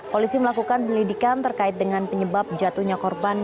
polisi melakukan penyelidikan terkait dengan penyebab jatuhnya korban